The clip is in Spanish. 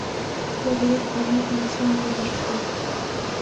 Jodie Comer nació en Liverpool.